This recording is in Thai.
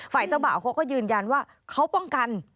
ฝ่ายเจ้าบ่าวเขาก็ยืนยันว่าเขาป้องกัน